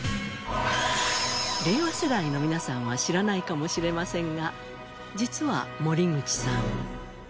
令和世代の皆さんは知らないかもしれませんが実は森口さん。